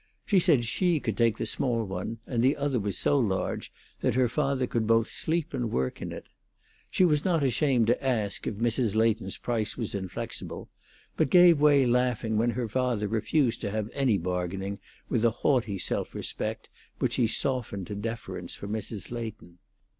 She said she could take the small one, and the other was so large that her father could both sleep and work in it. She seemed not ashamed to ask if Mrs. Leighton's price was inflexible, but gave way laughing when her father refused to have any bargaining, with a haughty self respect which he softened to deference for Mrs. Leighton.